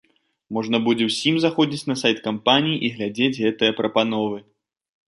Можна будзе ўсім заходзіць на сайт кампаніі і глядзець гэтыя прапановы.